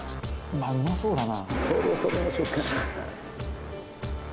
「うまそうだな」